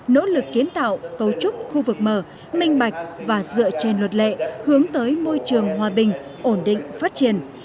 nỗ lực kiến tạo cấu trúc khu vực mở minh bạch và dựa trên luật lệ hướng tới môi trường hòa bình ổn định phát triển